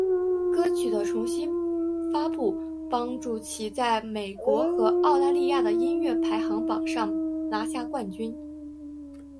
歌曲的重新发布帮助其在美国和澳大利亚的音乐排行榜上拿下冠军。